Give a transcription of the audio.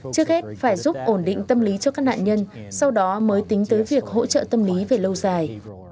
trước hết phải giúp ổn định tâm lý cho các nạn nhân sau đó mới tính tới việc hỗ trợ tâm lý về lâu dài